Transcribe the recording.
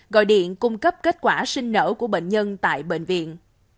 gọi điện cung cấp kết quả sinh nở của bệnh nhân tại bệnh viện